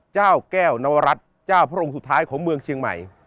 เจ้าแก้วนวรัฐเจ้าพระองค์สุดท้ายของเมืองเชียงใหม่